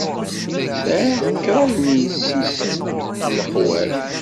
Sɛiɣ kraḍt n yessi-s n lexwal.